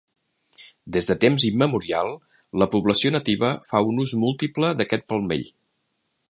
Des de temps immemorial la població nativa fa un ús múltiple d'aquest palmell.